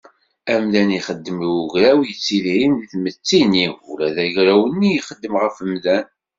Amdan ixeddem i ugraw yettidiren deg tmett-nni, ula d agraw-nni ixeddem ɣef umdan.